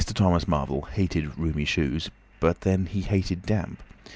Thomas Marvel hated roomy shoes, but then he hated damp.